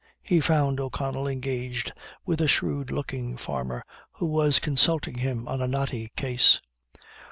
He found O'Connell engaged with a shrewd looking farmer, who was consulting him on a knotty case.